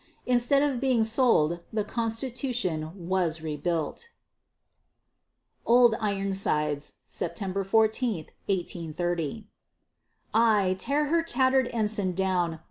Instead of being sold, the Constitution was rebuilt. OLD IRONSIDES [September 14, 1830] Ay, tear her tattered ensign down!